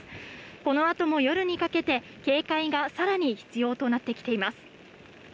このあとも夜にかけて警戒がさらに必要となってきています。